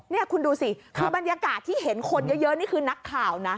นี่คุณดูสิคือบรรยากาศที่เห็นคนเยอะนี่คือนักข่าวนะ